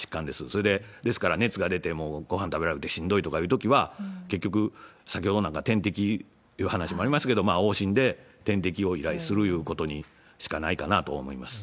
それで、ですから熱が出て、もうごはん食べれなくてしんどいとかいうときは、結局、先ほどなんかは点滴っていう話もありますけど、往診で点滴を依頼するいうことしかないかなと思います。